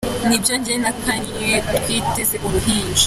"Ni byo jye na Kanye twiteze uruhinja.